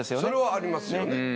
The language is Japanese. それはありますよね。